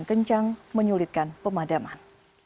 yang kencang menyulitkan pemadaman